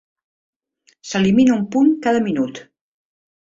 S'elimina un punt cada minut.